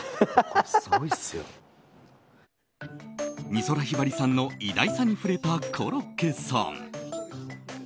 美空ひばりさんの偉大さに触れたコロッケさん。